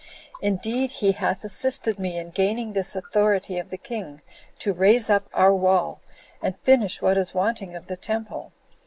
Indeed he hath assisted me in gaining this authority of the king to raise up our wall, and finish what is wanting of the temple.